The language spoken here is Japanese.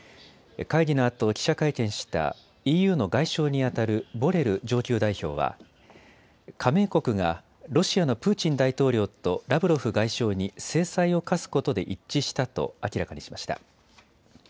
会議のあと記者会見したＥＵの外相にあたるボレル上級代表は、加盟国がロシアのプーチン大統領とラブロフ外相に制裁を科すことで一致したと明らかにしました。